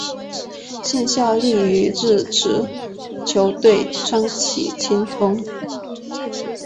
现效力于日职球队川崎前锋。